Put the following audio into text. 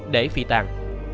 để phi tàn